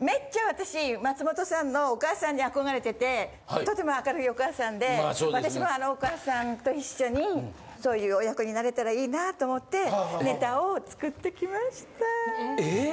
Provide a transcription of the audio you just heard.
めっちゃ私、松本さんのお母さんに憧れてて、とても明るいお母さんで、私もあのお母さんと一緒に、そういう親子になれたらいいなと思って、ネタを作ってきましたー。